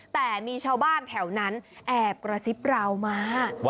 แต่มีชาวบ้านแถวนั้นแอบกระซิบเรามา